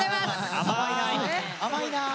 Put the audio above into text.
甘いな。